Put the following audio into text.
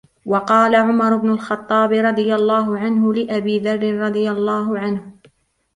وَقَالَ عُمَرُ بْنُ الْخَطَّابِ رَضِيَ اللَّهُ عَنْهُ لِأَبِي ذَرٍّ رَضِيَ اللَّهُ عَنْهُ